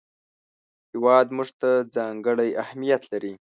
هېواد موږ ته ځانګړی اهمیت لري